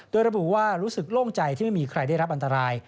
โดยระบุว่ารู้สึกโล่งใจที่ไม่มีใครได้รับอันตราย